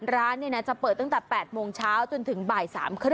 ร้านจะเปิดตั้งแต่๘โมงเช้าจนถึงบ่าย๓๓๐